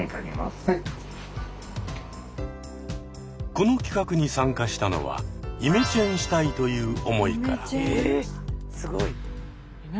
この企画に参加したのは「イメチェンしたい」という思いから。